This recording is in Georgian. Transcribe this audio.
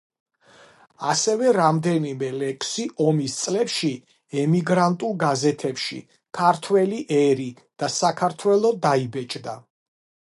ასევე რამდენიმე ლექსი ომის წლებში ემიგრანტულ გაზეთებში „ქართველი ერი“ და „საქართველო“ დაიბეჭდა.